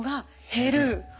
減る。